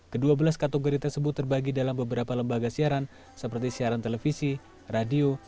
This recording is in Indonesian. kedua belas kategori tersebut terbagi dalam beberapa lembaga siaran seperti siaran televisi radio